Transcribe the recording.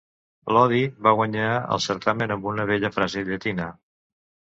Lodi va guanyar el certamen amb una bella frase llatina.